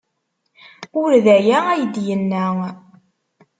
Ur d aya ay d-yenna.